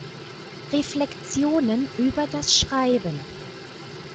Reflexionen über das Schreiben.